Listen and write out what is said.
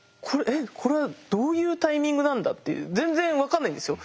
えっこれはどういうタイミングなんだっていう全然分かんないんですよ。